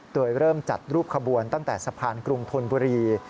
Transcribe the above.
โดยเริ่มจัดรูปขบวนตั้งแต่สะพานกรุงธนบุรี